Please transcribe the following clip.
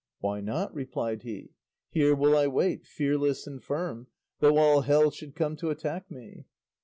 "Why not?" replied he; "here will I wait, fearless and firm, though all hell should come to attack me."